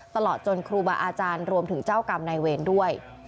ตลอดจนครูบาอาจารย์รวมถึงเจ้ากรรมนายเวรด้วย